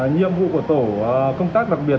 nhiệm vụ của tổ công tác đặc biệt